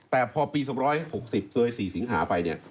แต่พอปี๒๖๐เสื้อยสี่สิงหาไปเนี่ย